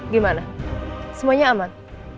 gimana semuanya aman